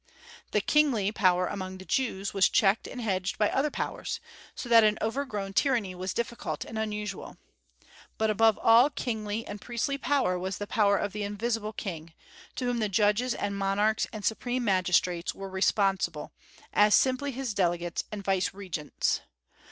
The kingly power among the Jews was checked and hedged by other powers, so that an overgrown tyranny was difficult and unusual. But above all kingly and priestly power was the power of the Invisible King, to whom the judges and monarchs and supreme magistrates were responsible, as simply His delegates and vicegerents.